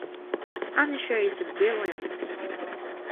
Anisha is brilliant.